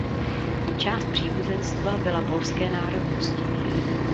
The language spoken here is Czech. Část příbuzenstva byla polské národnosti.